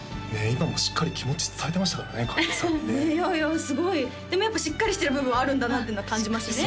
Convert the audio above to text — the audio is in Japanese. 今もしっかり気持ち伝えてましたからねいやいやすごいでもやっぱしっかりしてる部分あるんだなっていうのは感じますね